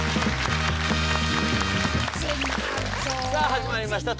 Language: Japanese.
さあ始まりました